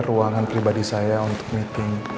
ruangan pribadi saya untuk meeting